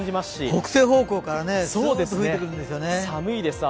北西方向から吹いてくるんですよね。